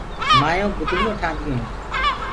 مآيونٚ گُدڙيونٚ ٺآنديونٚ هينٚ۔